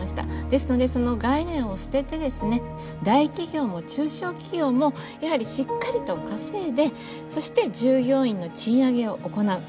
ですのでその概念を捨ててですね大企業も中小企業もやはりしっかりと稼いでそして従業員の賃上げを行う。